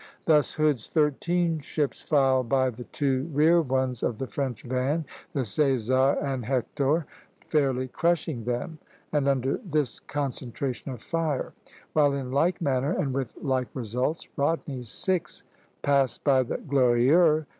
Thus Hood's thirteen ships filed by the two rear ones of the French van, the "César" and "Hector," fairly crushing them under this concentration of fire; while in like manner, and with like results, Rodney's six passed by the "Glorieux."